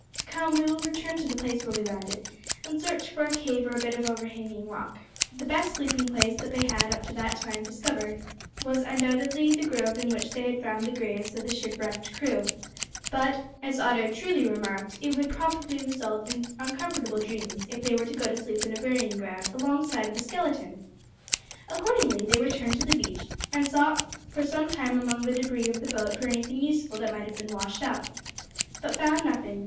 Come, we will return to the place where we landed, and search for a cave or a bit of overhanging rock." The best sleeping place that they had up to that time discovered was undoubtedly the grove in which they had found the graves of the shipwrecked crew, but, as Otto truly remarked, it would probably result in uncomfortable dreams if they were to go to sleep in a burying ground, alongside of a skeleton. Accordingly they returned to the beach, and sought for some time among the debris of the boat for anything useful that might have been washed up, but found nothing.